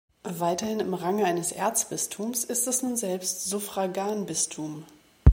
Weiterhin im Range eines Erzbistums, ist es nun selbst Suffraganbistum.